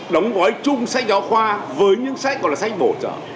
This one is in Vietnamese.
đóng gói chung sách giáo khoa với những sách gọi là sách bổ trợ